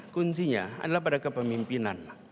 kuncinya adalah pada kepemimpinan